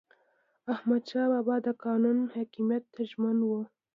احمدشاه بابا د قانون حاکمیت ته ژمن و.